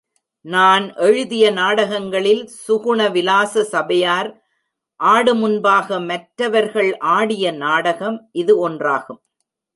நான் எழுதிய நாடகங்களில், சுகுண விலாச சபையார் ஆடு முன்பாக மற்றவர்கள் ஆடிய நாடகம் இது ஒன்றாகும்.